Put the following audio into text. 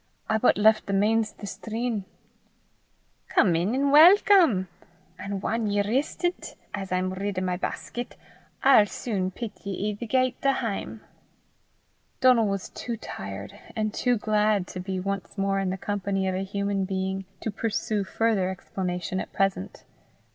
"I but left the Mains thestreen." "Come in an' walcome; an whan ye're ristit, an' I'm rid o' my basket, I'll sune pit ye i' the gait o' hame." Donal was too tired, and too glad to be once more in the company of a human being, to pursue further explanation at present.